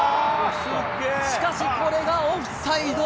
しかしこれがオフサイド。